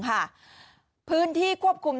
พื้นที่ควบคุม